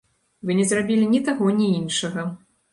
Вы не зрабілі ні таго, ні іншага.